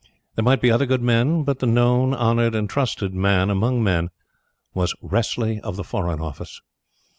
There might be other good men, but the known, honored and trusted man among men was Wressley of the Foreign Office.